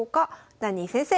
ダニー先生